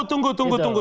tunggu tunggu tunggu